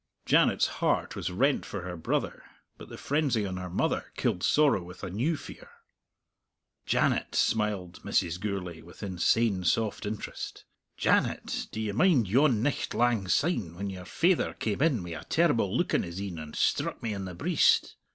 Janet's heart was rent for her brother, but the frenzy on her mother killed sorrow with a new fear. "Janet!" smiled Mrs. Gourlay, with insane soft interest, "Janet! D'ye mind yon nicht langsyne when your faither came in wi' a terrible look in his een and struck me in the breist?